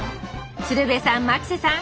鶴瓶さん牧瀬さん